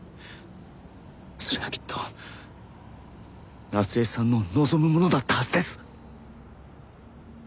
それがきっと夏恵さんの望むものだったはずです。